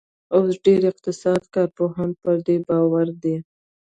اوس ډېر اقتصادي کارپوهان پر دې باور دي